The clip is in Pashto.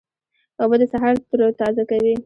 اوبه د سهار تروتازه کوي.